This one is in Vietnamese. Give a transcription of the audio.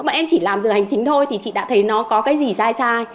bọn em chỉ làm giờ hành chính thôi thì chị đã thấy nó có cái gì sai sai